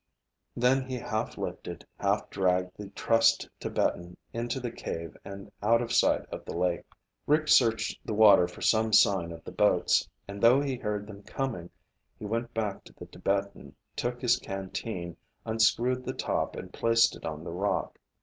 Then he half lifted, half dragged the trussed Tibetan into the cave and out of sight of the lake. Rick searched the water for some sign of the boats, and thought he heard them coming. He went back to the Tibetan, took his canteen, unscrewed the top, and placed it on the rock.